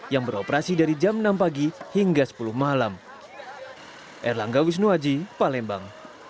yang beroperasi dari jam enam pagi hingga sepuluh malam